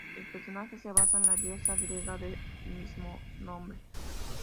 El personaje se basa en la diosa griega del mismo nombre.